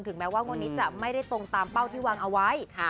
แม้ว่างวดนี้จะไม่ได้ตรงตามเป้าที่วางเอาไว้